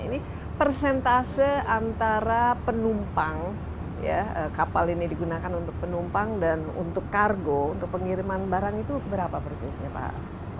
ini persentase antara penumpang kapal ini digunakan untuk penumpang dan untuk kargo untuk pengiriman barang itu berapa persisnya pak